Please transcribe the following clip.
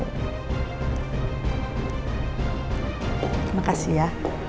terima kasih ya